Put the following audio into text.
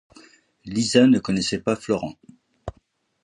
Lisa ne connaissait pas Florent.